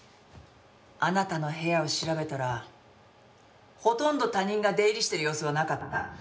あなたの部屋を調べたらほとんど他人が出入りしてる様子はなかった。